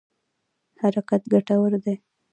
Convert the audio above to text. حرکت ګټور دی.